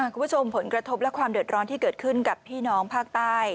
คุณผู้ชมผลกระทบและความเดือดร้อนที่เกิดขึ้นกับพี่น้องภาคใต้